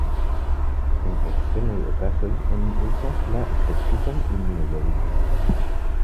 En ekstremaj okazoj oni uzas la specifan imunoglobulinon.